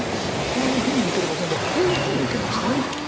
こういうふうに受ければ今度はこういうふうに受けまして。